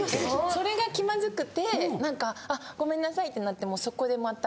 それが気まずくてなんかあごめんなさいってなってそこでまた。